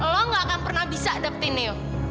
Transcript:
lo gak akan pernah bisa dapetin yuk